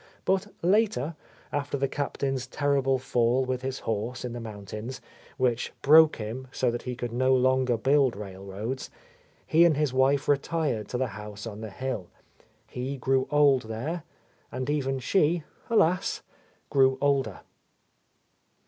But later, after the Captain's terrible fall with his. horse in the mountains, which broke him so that he could no longer build railroads, he and his wife retired to the house on the hill. He grew old there, — and even she, alas! grew older.